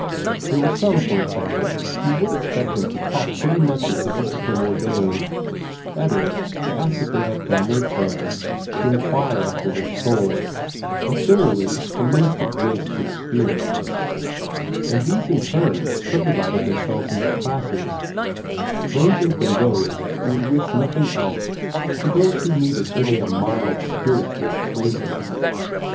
There were some, for example, who would expect him to talk pretty much as the Discipline ordained that is, to ask if they had family prayer, to inquire after their souls, and generally to minister grace to his hearers and these in turn subdivided themselves into classes, ranging from those who would wish nothing else to those who needed only a mild spiritual flavor.